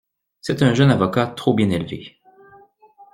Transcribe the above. C'est un jeune avocat trop bien élevé.